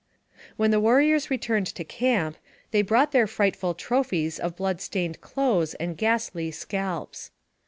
When the warriors returned to camp, they brought their frightful trophies of blood stained clothes and ghastly scalps.